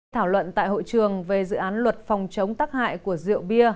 thảo luận tại hội trường về dự án luật phòng chống tắc hại của rượu bia